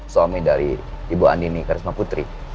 suami dari ibu andini karisma putri